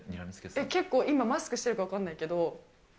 結構、今、マスクしてるから分かんないけど。